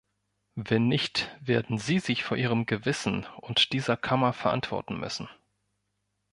Wenn nicht werden Sie sich vor Ihrem Gewissen und dieser Kammer verantworten müssen.